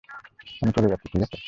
আমি চলে যাচ্ছি, ঠিক আছে?